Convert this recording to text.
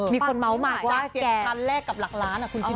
มีคนเมาว์มาว่า๗๐๐๐แลกกับหลักล้าน